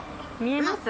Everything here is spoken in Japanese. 見えます？